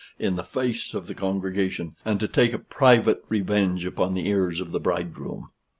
in the face of the congregation, and to take a private revenge upon the ears of the bridegroom.